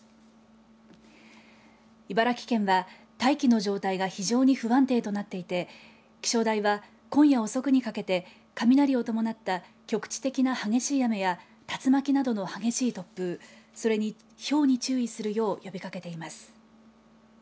茨城県は大気の状態が非常に不安定となっていて気象台は今夜遅くにかけて雷を伴った、局地的な激しい雨や竜巻などの激しい突風それに、ひょうに注意するよう呼びかけています。